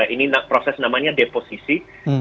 ini proses namanya deposisi